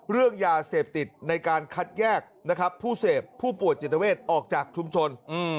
เรื่องยาเสพติดในการคัดแยกนะครับผู้เสพผู้ป่วยจิตเวทออกจากชุมชน